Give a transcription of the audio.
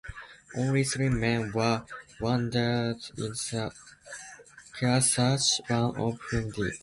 Only three men were wounded in the "Kearsarge", one of whom died.